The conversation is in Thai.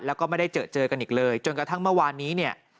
แล้วก็ไม่ได้เจอเจอกันอีกเลยจนกระทั่งเมื่อวานนี้เนี่ย